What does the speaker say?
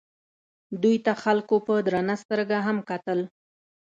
دوی ته خلکو په درنه سترګه هم کتل.